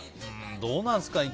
どうなんですかね。